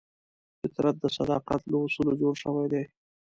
فطرت د صداقت له اصولو جوړ شوی دی.